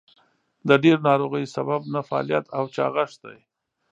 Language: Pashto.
د ډېرو ناروغیو سبب نهفعاليت او چاغښت دئ.